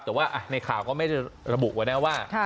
แต่ว่าในข่าวก็ไม่ได้ระบุไว้นะว่า